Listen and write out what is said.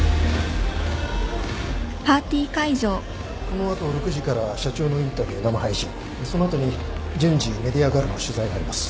この後６時から社長のインタビュー生配信その後に順次メディアからの取材があります。